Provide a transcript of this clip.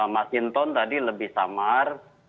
mas inton tadi lebih samar